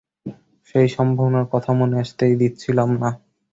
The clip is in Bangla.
সেই সম্ভাবনার কথা মনে আসতেই দিচ্ছিলাম না।